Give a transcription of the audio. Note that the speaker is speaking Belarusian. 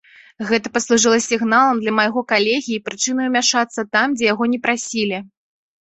Гэта паслужыла сігналам для майго калегі і прычынай умяшацца там, дзе яго не прасілі.